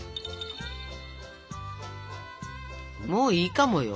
もういいかもよ？